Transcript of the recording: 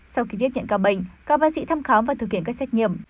sau khi tiếp nhận ca bệnh các bác sĩ thăm khám và thực hiện các xét nghiệm